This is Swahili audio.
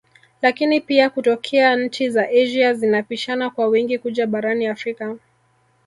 Lakini pia kutokea nchi za Asia zinapishana kwa wingi kuja barani Afrika